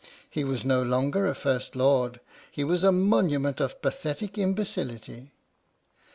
He was no longer a First Lord — he was a Monument of Pathetic Imbecility.